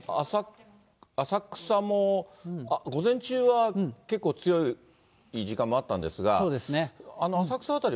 浅草も午前中は結構強い時間もあったんですが、今はそうですね。